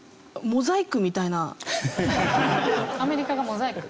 アメリカがモザイク？